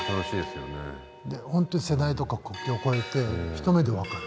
ほんとに世代とか国境を超えて一目で分かる。